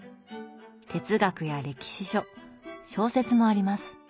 哲学や歴史書小説もあります。